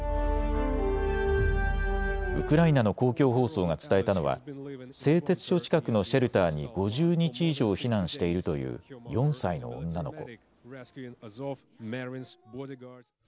ウクライナの公共放送が伝えたのは製鉄所近くのシェルターに５０日以上、避難しているという４歳の女の子。